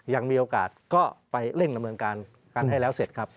ยังมีโอกาสก็ไปเร่งดำเนินการกันให้แล้วเสร็จครับ